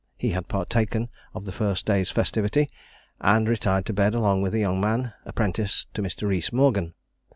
He had partaken of the first day's festivity, and retired to bed along with a young man, apprentice to Mr. Rees Morgan.